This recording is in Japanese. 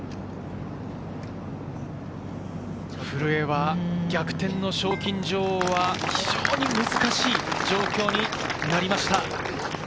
古江は逆転の賞金女王は非常に難しい状況になりました。